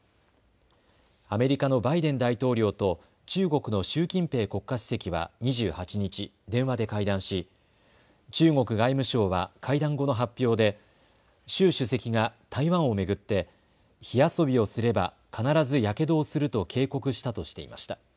アメリカのバイデン大統領と中国の習近平国家主席は２８日、電話で会談し中国外務省は会談後の発表で習主席が台湾を巡って火遊びをすれば必ずやけどをすると警告したとしていました。